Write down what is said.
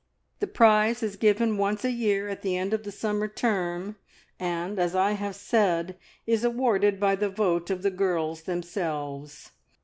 The prize is given once a year at the end of the summer term, and, as I have said, is awarded by the vote of the girls themselves.